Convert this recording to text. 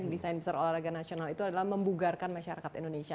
desain besar olahraga nasional itu adalah membugarkan masyarakat indonesia